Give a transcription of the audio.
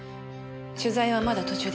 取材はまだ途中です。